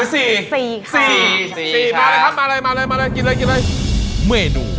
สิบสี่เลยเหรอคะ